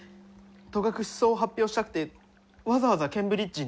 戸隠草を発表したくてわざわざケンブリッジに？